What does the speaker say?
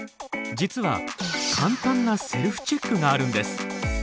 実は簡単なセルフチェックがあるんです。